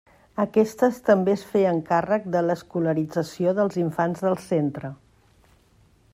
Aquestes també es feien càrrec de l'escolarització dels infants del centre.